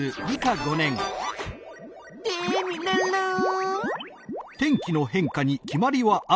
テミルンルン！